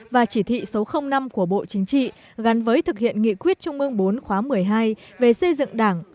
và chỉ thị số năm của bộ chính trị gắn với thực hiện nghị quyết trung ương bốn khóa một mươi hai về xây dựng đảng